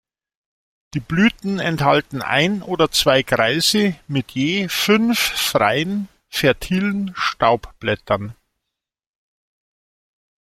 Die Blüten enthalten ein oder zwei Kreise mit je fünf freien, fertilen Staubblättern.